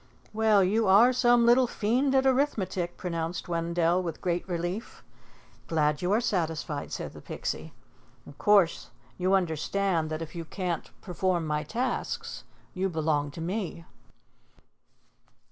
"Well, you are some little fiend at arithmetic," pronounced Wendell with great relief. "Glad you are satisfied," said the Pixie. "Of course you understand that if you can't perform my tasks, you belong to me."